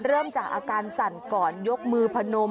เริ่มจากอาการสั่นก่อนยกมือพนม